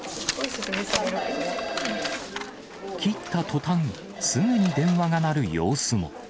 切ったとたん、すぐに電話が鳴る様子も。